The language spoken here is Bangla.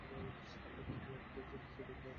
তিনি নেয়ার কলিজিওন হিসেবে দ্বায়িত্ব দেওয়া হয়েছিল।